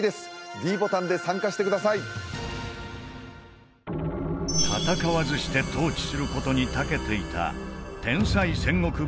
ｄボタンで参加してください戦わずして統治することにたけていた天才戦国武将徳川家康